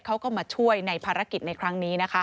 เขาก็มาช่วยในภารกิจในครั้งนี้นะคะ